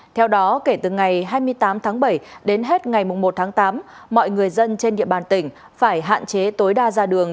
theo đó kể từ ngày hai mươi tám tháng bảy đến hết ngày một tháng tám mọi người dân trên địa bàn tỉnh phải hạn chế tối đa ra đường